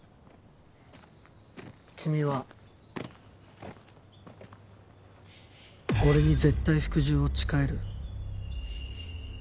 君は俺に絶対服従を誓える？